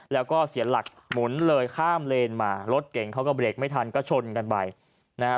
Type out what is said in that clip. แล้วก็เสียหลักหมุนเลยข้ามเลนมารถเก่งเขาก็เบรกไม่ทันก็ชนกันไปนะฮะ